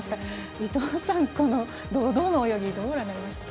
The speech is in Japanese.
伊藤さん、堂々の泳ぎどうご覧になりましたか？